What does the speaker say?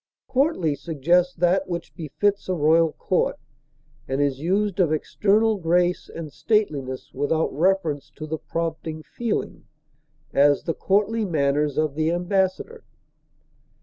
Courtly suggests that which befits a royal court, and is used of external grace and stateliness without reference to the prompting feeling; as, the courtly manners of the ambassador.